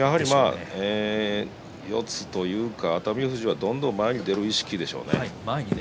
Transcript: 四つというか熱海富士がどんどん前に出る意識でしょうね。